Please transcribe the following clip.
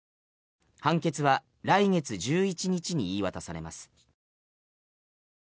判決は来月１１日に言い渡されます。